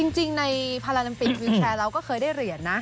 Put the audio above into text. จริงในพาราลิมปิกวิวแชร์เราก็เคยได้เหรียญนะ